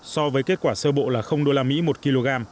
so với kết quả sơ bộ là usd một kg